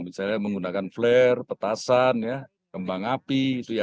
misalnya menggunakan flare petasan kembang api